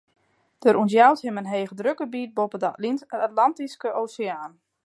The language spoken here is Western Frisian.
Der ûntjout him in hegedrukgebiet boppe de Atlantyske Oseaan.